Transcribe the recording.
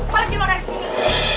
pergi lo dari sini